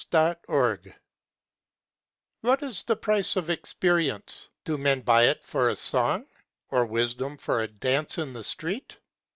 8 Autoplay 'What is the price of Experience? do men buy it for a song? Or wisdom for a dance in the street?